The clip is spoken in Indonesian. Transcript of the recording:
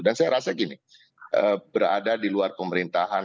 dan saya rasa gini berada di luar pemerintahan